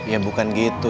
ya bukan gitu